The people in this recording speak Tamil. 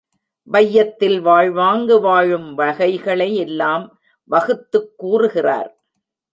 வையத்தில் வாழ்வாங்கு வாழும் வகைகளை எல்லாம் வகுத்துக் கூறுகிறார்.